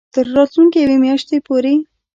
تر راتلونکې یوې میاشتې پورې